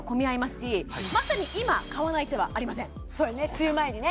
梅雨前にね